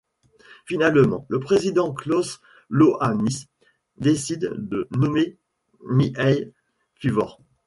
Finalement, le président Klaus Iohannis décide de nommer Mihai Fifor.